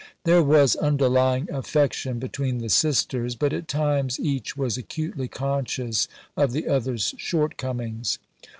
There was underlying affection between the sisters, but at times each was acutely conscious of the other's shortcomings.